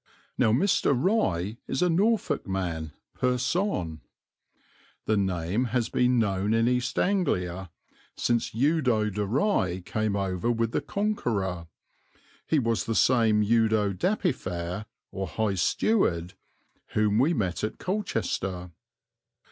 Now Mr. Rye is a Norfolk man pur sang. The name has been known in East Anglia since Eudo de Rye came over with the Conqueror he was the same Eudo Dapifer, or high steward, whom we met at Colchester.